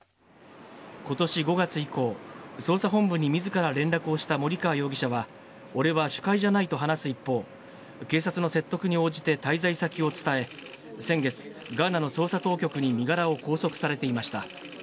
ことし５月以降、捜査本部にみずから連絡をした森川容疑者は、俺は首魁じゃないと話す一方、警察の説得に応じて滞在先を伝え、先月、ガーナの捜査当局に身柄を拘束されていました。